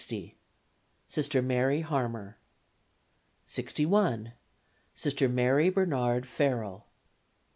Sister Mary Harmer. 61. Sister Mary Bernard Farrell.